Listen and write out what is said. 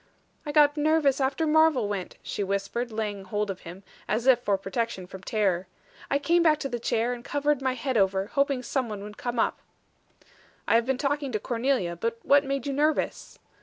"I got nervous after Marvel went," she whispered, laying hold of him, as if for protection from terror. "I came back to the chair and covered my head over, hoping some one would come up." "I have been talking to Cornelia. But what made you nervous?"